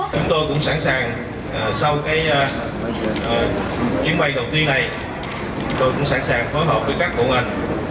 chúng tôi cũng sẵn sàng sau chuyến bay đầu tiên này chúng tôi cũng sẵn sàng phối hợp với các bộ ngành